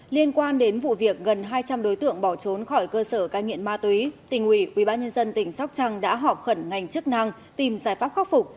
liên quan đến vụ việc gần hai trăm linh đối tượng bỏ trốn khỏi cơ sở cai nghiện ma túy tỉnh ủy ubnd tỉnh sóc trăng đã họp khẩn ngành chức năng tìm giải pháp khắc phục